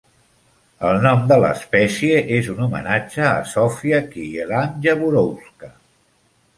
El nom de l'espècie és un homenatge a Zofia Kielan-Jaworowska.